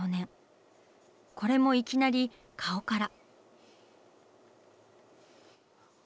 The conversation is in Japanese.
これもいきなり顔から。